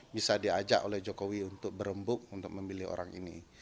bisa diajak oleh jokowi untuk berembuk untuk memilih orang ini